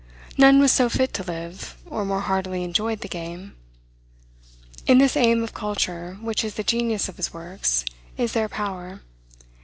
None was so fit to live, or more heartily enjoyed the game. In this aim of culture, which is the genius of his works, is their power.